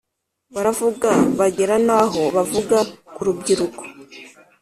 baravuga bagera naho bavuga kurubyiruko